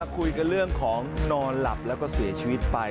คุยกันเรื่องของนอนหลับแล้วก็เสียชีวิตไป